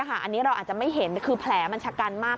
อันนี้เราอาจจะไม่เห็นคือแผลมันชะกันมาก